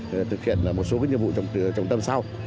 để thực hiện một số nhiệm vụ trọng tâm sau